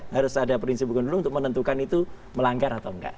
harus ada prinsip hukum dulu untuk menentukan itu melanggar atau enggak